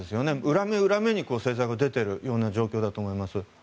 裏目裏目に政策が出ている状況だと思います。